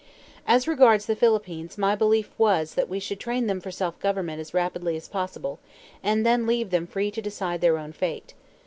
As regards the Philippines my belief was that we should train them for self government as rapidly as possible, and then leave them free to decide their own fate.